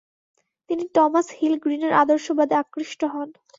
তিনি Thomas Hill গ্রিনের আদর্শবাদে আকৃষ্ট হন।